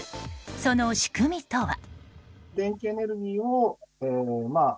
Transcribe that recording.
その仕組みとは？